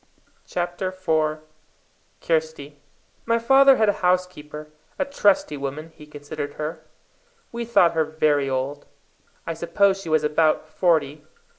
CHAPTER IV Kirsty My father had a housekeeper, a trusty woman, he considered her. We thought her very old. I suppose she was about forty.